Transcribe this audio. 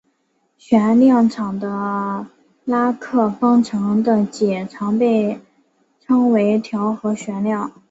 旋量场的狄拉克方程的解常被称为调和旋量。